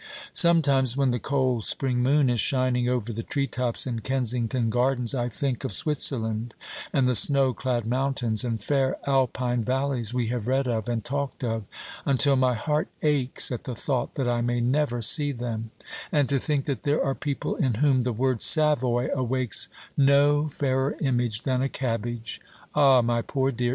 Sometimes, when the cold spring moon is shining over the tree tops in Kensington Gardens, I think of Switzerland, and the snow clad mountains and fair Alpine valleys we have read of and talked of, until my heart aches at the thought that I may never see them; and to think that there are people in whom the word 'Savoy' awakes no fairer image than a cabbage! Ah, my poor dear!